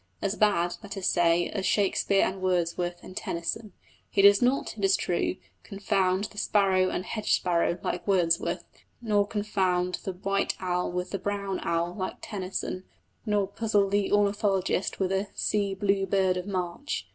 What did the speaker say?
As bad, let us say, as Shakespeare and Wordsworth and Tennyson. He does not, it is true, confound the sparrow and hedge sparrow like Wordsworth, nor confound the white owl with the brown owl like Tennyson, nor puzzle the ornithologist with a "sea blue bird of March."